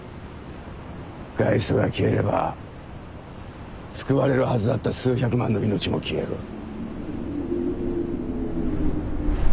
ガイストが消えれば救われるはずだった数百万の命も消える。